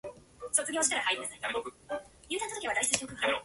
Indeed, it is based almost entirely on context.